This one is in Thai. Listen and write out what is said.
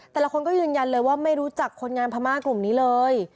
แต่ละคนก็ยืนยันเลยว่าไม่รู้จักคนงานพม่ากลุ่มนี้เลย